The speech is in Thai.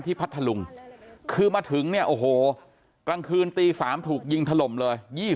พัทธลุงคือมาถึงเนี่ยโอ้โหกลางคืนตี๓ถูกยิงถล่มเลย